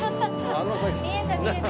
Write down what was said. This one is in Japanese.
見えた見えた。